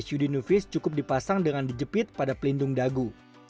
hud nuvis cukup dipasang dengan dijepit pada pelindung dagu